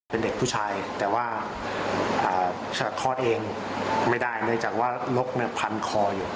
เป็นเด็กผู้ชายแต่ว่าโคตรเองไม่ได้ในจากว่าลูกในผันคออยู่